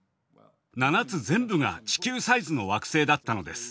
７つ全部が地球サイズの惑星だったのです。